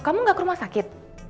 lo kamu nggak ke rumah sakit